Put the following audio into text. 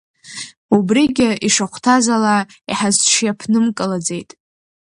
Убригьы ишахәҭаз ала иҳазиаҽԥнымкылаӡеит.